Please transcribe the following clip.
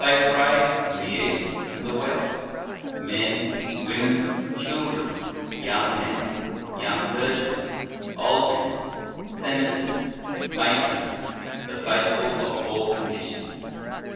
105 Thus prayed, in the East and the West, men, women, children, young men, young virgins, old men, senators, matrons, the faith ful of all conditions.